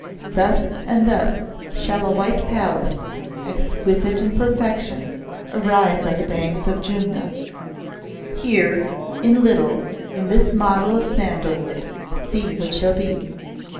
Thus and thus shall a white palace, exquisite in perfection, arise on the banks of Jumna. Here, in little, in this model of sandalwood, see what shall be.